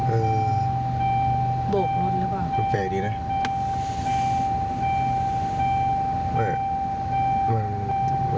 เออโบกรถหรือเปล่าแปลกดีนะ